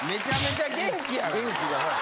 元気がほら。